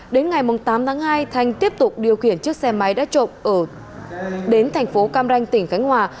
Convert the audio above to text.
đến ngày tám tháng hai thanh tiếp tục điều khiển chiếc xe máy đã trộm đến thành phố cam ranh tỉnh khánh hòa